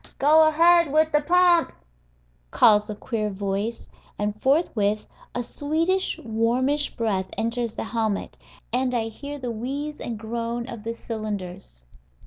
"Go ahead wid de pump," calls a queer voice, and forthwith a sweetish, warmish breath enters the helmet, and I hear the wheeze and groan of the cylinders.